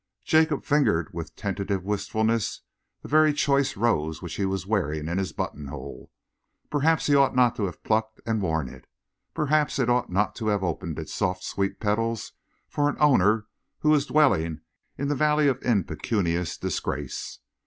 Jacob fingered with tentative wistfulness the very choice rose which he was wearing in his buttonhole. Perhaps he ought not to have plucked and worn it. Perhaps it ought not to have opened its soft, sweet petals for an owner who was dwelling in the Valley of Impecunious Disgrace.